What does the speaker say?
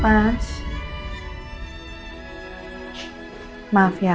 kasih di mama